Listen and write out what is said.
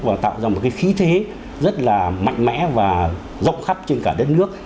và tạo ra một cái khí thế rất là mạnh mẽ và rộng khắp trên cả đất nước